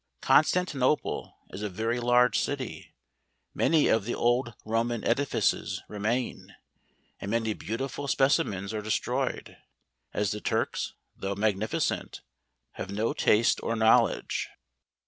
Constantinople is a very large city: many of the old Roman edifices remain, and many beauti¬ ful specimens are destroyed: as the Turks, though magnificent, have no taste or knowledge.